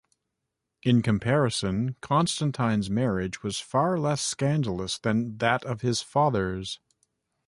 In comparison, Constantine's marriage was far less scandalous than that of his father's.